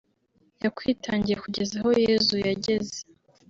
yakwitangiye kugeza aho Yezu yageze